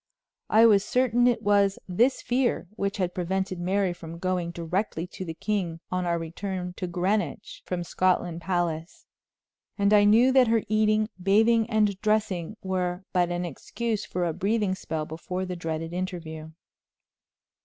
I was certain it was this fear which had prevented Mary from going directly to the king on our return to Greenwich from Scotland Palace, and I knew that her eating, bathing and dressing were but an excuse for a breathing spell before the dreaded interview.